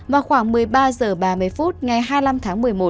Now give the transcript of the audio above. vào khoảng một mươi ba h ba mươi phút ngày hai mươi năm tháng một mươi một